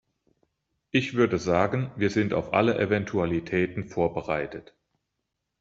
Ich würde sagen, wir sind auf alle Eventualitäten vorbereitet.